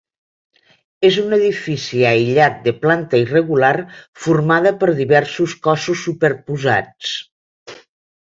És un edifici aïllat de planta irregular formada per diversos cossos superposats.